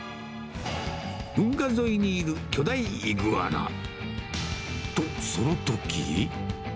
運河沿いにいる巨大イグアナ。と、そのとき！